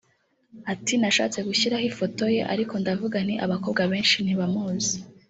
Ati “Nashatse gushyiraho ifoto ye ariko ndavuga nti abakobwa benshi ntibamuzi